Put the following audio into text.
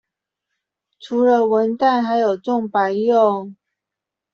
除了文旦還有種白柚